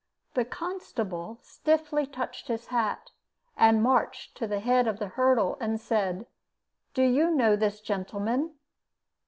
The constable stiffly touched his hat, and marched to the head of the hurdle, and said, "'Do you know this gentleman?'